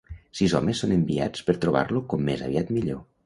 Sis homes són enviats per trobar-lo com més aviat millor.